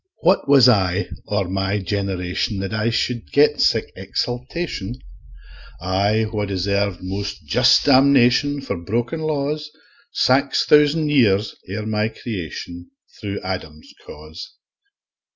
What was I, or my generation, That I should get sic exaltation, I wha deserve most just damnation For broken laws, Five thousand years ere my creation, Thro' Adam's cause?